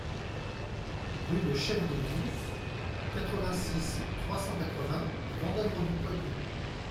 Rue de Chef de Ville, quatre-vingt-six, trois cent quatre-vingts Vendeuvre-du-Poitou